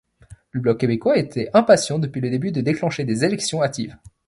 Le Bloc québécois était impatient depuis le début de déclencher des élections hâtives.